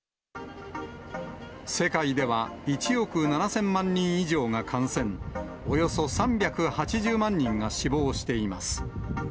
世界では１億７０００万人以上が感染、およそ３８０万人が死亡しています。